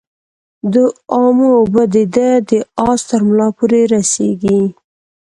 د امو اوبه د ده د آس ترملا پوري رسیږي.